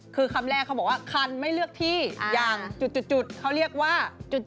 คือคำแรกเขาบอกว่าคันไม่เลือกที่อย่างจุดเขาเรียกว่าจุด